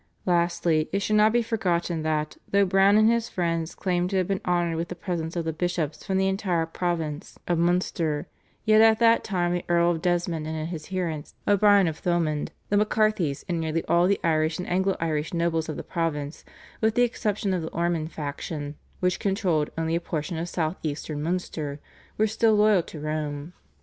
" Lastly, it should not be forgotten that, though Browne and his friends claim to have been honoured with the presence of the bishops from the entire province of Munster, yet at that time the Earl of Desmond and his adherents, O'Brien of Thomond, the MacCarthys and nearly all the Irish and Anglo Irish nobles of the province, with the exception of the Ormond faction which controlled only a portion of south eastern Munster, were still loyal to Rome.